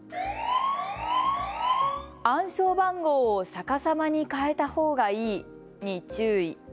暗証番号を逆さまに変えたほうがいいに注意。